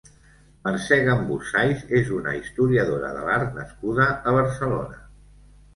Mercè Gambús Saiz és una historiadora de l'art nascuda a Barcelona.